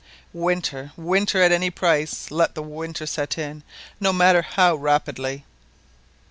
Winter, winter at any price, let the winter set in, no matter how rapidly."